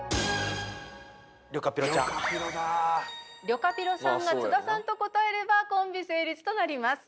りょかぴろさんが津田さんと答えればコンビ成立となります。